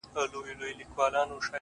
گراني بس څو ورځي لا پاته دي ـ